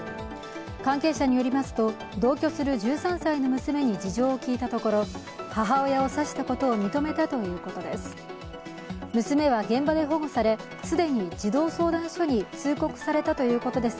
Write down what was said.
関係者によりますと、同居する１３歳の娘に事情を聴いたところ、母親を刺したことを認めたということです。